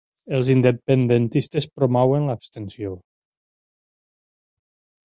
Els independentistes promouen l'abstenció.